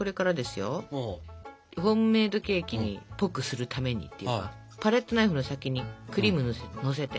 ホームメードケーキっぽくするためにというかパレットナイフの先にクリームをのせて。